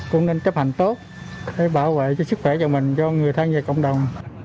cũng nên chấp hành tốt để bảo vệ cho sức khỏe cho mình cho người thân và cộng đồng